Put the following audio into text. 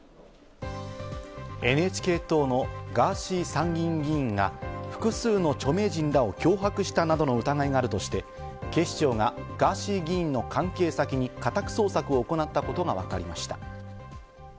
ＮＨＫ党のガーシー参議院議員が、複数の著名人らを脅迫したなどの疑いがあるとして、警視庁がガーシー議員の関係先に家宅捜索を行ったことがわかりました。